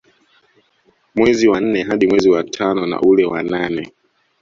Mwezi wa nne hadi mwezi wa tano na ule wa nane